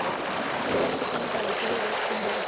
El lugar no es extraño para la Historia de Camboya.